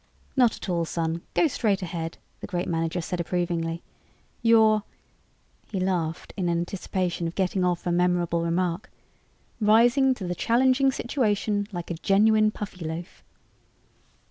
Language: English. "Not at all, son; go straight ahead," the great manager said approvingly. "You're" he laughed in anticipation of getting off a memorable remark "rising to the challenging situation like a genuine Puffyloaf."